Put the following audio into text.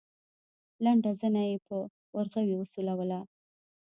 لنډه زنه يې په ورغوي وسولوله.